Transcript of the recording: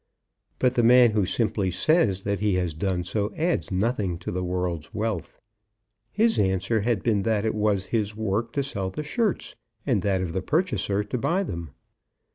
But the man who simply says that he has done so adds nothing to the world's wealth. His answer had been that it was his work to sell the shirts, and that of the purchaser to buy them.